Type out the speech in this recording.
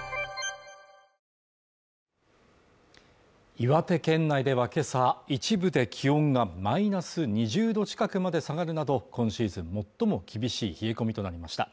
岩手県内では今朝一部で気温がマイナス２０度近くまで下がるなど今シーズン最も厳しい冷え込みとなりました